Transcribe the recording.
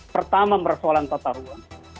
pertama persoalan tataruan